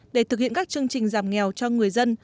để thực hiện các chương trình giảm nghèo cho người dân